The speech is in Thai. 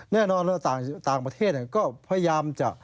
แน่นอนว่าต่างประเทศก็พยายามจะ